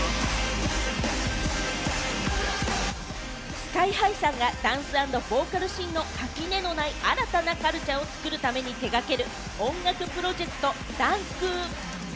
ＳＫＹ−ＨＩさんがダンス＆ボーカルシーンの垣根のない新たなカルチャーを作るために手がける音楽プロジェクト「Ｄ．Ｕ．Ｎ．Ｋ．」。